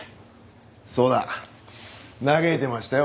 そうだ嘆いてましたよ